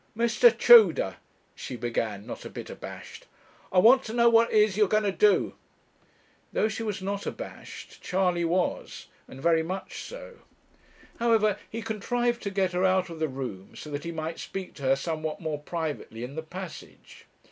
'Mr. Tudor,' she began, not a bit abashed, 'I want to know what it is you are a going to do?' Though she was not abashed, Charley was, and very much so. However, he contrived to get her out of the room, so that he might speak to her somewhat more privately in the passage.